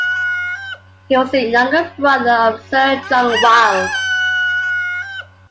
He was the younger brother of Sir John Wylde.